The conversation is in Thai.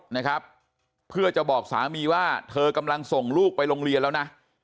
นะครับเพื่อจะบอกสามีว่าเธอกำลังส่งลูกไปโรงเรียนแล้วนะ